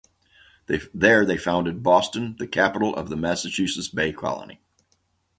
There they founded Boston, the capital of the Massachusetts Bay Colony.